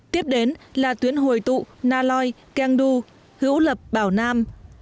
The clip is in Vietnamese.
tiếp đến là tuyến hồi tụ na loi keng du hữu hữu lập bảo nam